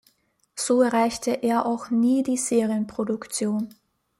So erreichte er auch nie die Serienproduktion.